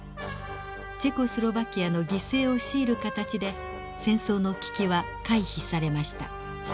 チェコスロバキアの犠牲を強いる形で戦争の危機は回避されました。